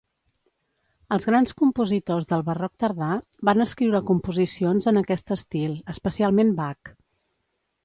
Els grans compositors del barroc tardà van escriure composicions en aquest estil, especialment Bach.